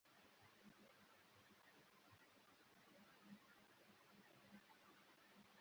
ইসমাঈল আলম কলকাতা আলিয়া বিশ্ববিদ্যালয়-এ পড়াকালীন সময়ে উর্দু কাব্যের প্রতি আকৃষ্ট হন।